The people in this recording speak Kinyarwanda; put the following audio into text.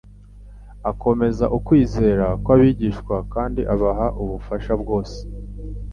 akomeza ukwizera kw'abigishwa kandi abaha ubufasha bwose